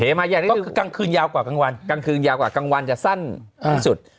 มาใหญ่ก็คือกลางคืนยาวกว่ากลางวันกลางคืนยาวกว่ากลางวันจะสั้นที่สุด